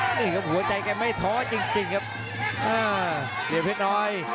นี่ครับหัวใจแกไม่ท้อจริงจริงครับอ่าเหรียญเพชรน้อย